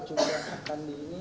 juga akan di ini